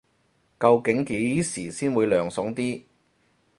究竟幾時先會涼爽啲